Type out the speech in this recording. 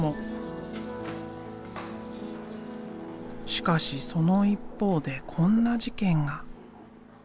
しかしその一方でこんな事件が。